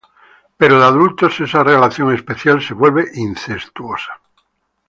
Pero de adultos esa relación especial se vuelve incestuosa.